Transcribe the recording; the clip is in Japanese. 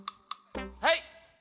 はい！